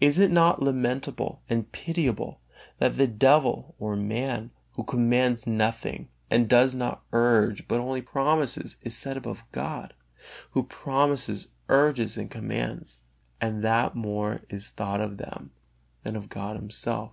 Is it not lamentable and pitiable that the devil or man, who commands nothing and does not urge, but only promises, is set above God, Who promises, urges and commands; and that more is thought of them than of God Himself?